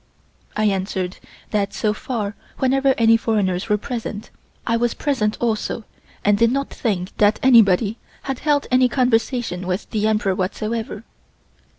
I answered that so far whenever any foreigners were present I was present also and did not think that anybody had held any conversation with the Emperor whatsoever.